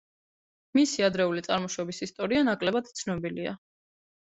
მისი ადრეული წარმოშობის ისტორია ნაკლებად ცნობილია.